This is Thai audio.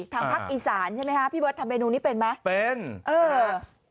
ทางภาคอีสานใช่ไหมคะพี่เบิร์ตทำเมนูนี้เป็นไหมเป็นเออ